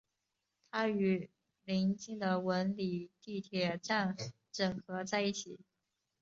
它与临近的文礼地铁站整合在一起。